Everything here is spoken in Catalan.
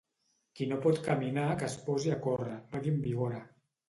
Qui no pot caminar que es posi a córrer, va dir en Bigorra.